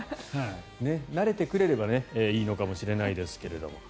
慣れてくれればいいのかもしれないですけれども。